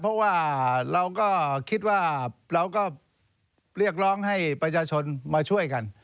เพราะว่าเราก็คิดว่าเราก็เรียกร้องให้ประชาชนมาช่วยกัน